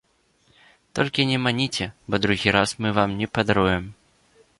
Толькі не маніце, бо другі раз мы вам не падаруем.